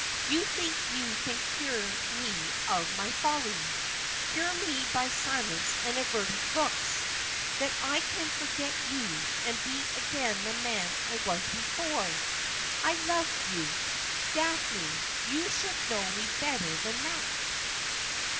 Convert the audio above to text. You think you can cure me of my folly — cure me by silence and averted looks — that I can forget you and be again the man I was before I loved you. Daphne, you should know me better than that.